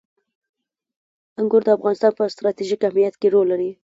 انګور د افغانستان په ستراتیژیک اهمیت کې رول لري.